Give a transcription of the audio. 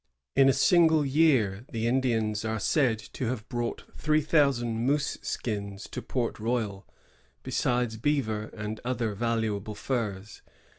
In a single year the Indians are said to have brought three thousand moose skins to Port Royal, besides beaver and other valuable furs.